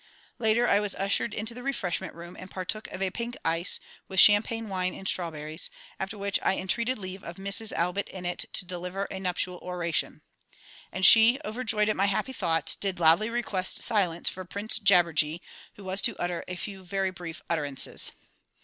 Later I was ushered into the refreshment room, and partook of a pink ice, with champagne wine and strawberries, after which I entreated leave of Mrs ALLBUTT INNETT to deliver a nuptial oration. And she, overjoyed at my happy thought, did loudly request silence for Prince JABBERJEE, who was to utter a few very brief utterances.